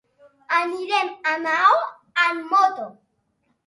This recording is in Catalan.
Anirem a Maó amb moto.